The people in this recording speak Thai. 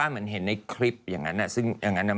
เหมือนเห็นในคลิปยังงั้นน่ะ